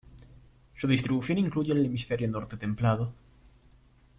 Su distribución incluye el hemisferio norte templado.